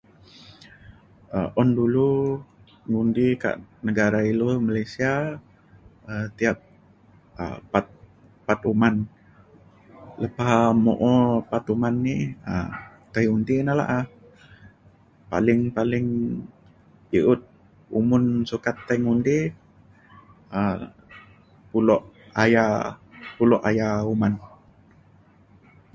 um un dulu ngundi kak negara ilu Malaysia um tiap um pat pat uman. lepah mo’o pat uman ni um tai undi na la’a. paling paling i’ut umun sukat tai ngundi um pulok aya pulok aya uman